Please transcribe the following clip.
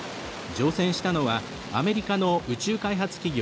乗船したのはアメリカの宇宙開発企業